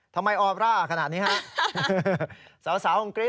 ทำไมออเวอร่าขนาดนี้ครับ